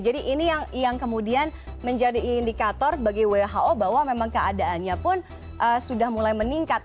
ini yang kemudian menjadi indikator bagi who bahwa memang keadaannya pun sudah mulai meningkat